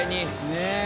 ねえ。